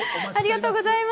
ありがとうございます。